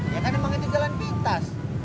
ya kan emang itu jalan pintas